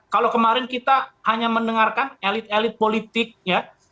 kalau kemarin kita hanya mendengarkan elit elit politik ya